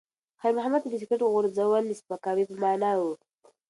خیر محمد ته د سګرټ غورځول د سپکاوي په مانا و.